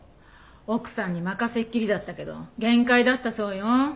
奥さんに任せっきりだったけど限界だったそうよ。